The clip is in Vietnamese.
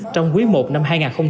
trong quý i năm hai nghìn hai mươi hai